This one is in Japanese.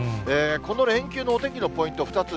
この連休のお天気のポイント、２つ。